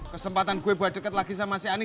kesempatan gue buat deket lagi sama si ani